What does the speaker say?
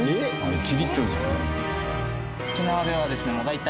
１リットルじゃない。